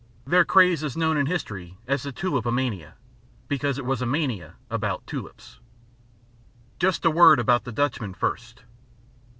Their craze is known in history as the Tulipomania, because it was a mania about tulips. Just a word about the Dutchmen first.